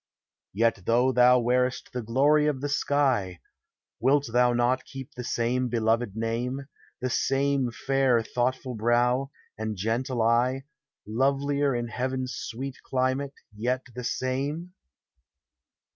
Yet though thou wear'st the glory of the sky, Wilt thou not keep the same beloved name, The same fair thoughtful brow, and gentle eye, Lovelier in heaven's sweet climate, yet the same?